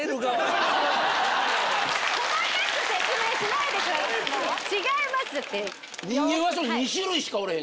細かく説明しないでください違いますって。